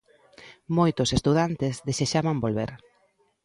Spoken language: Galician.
Moitos estudantes desexaban volver.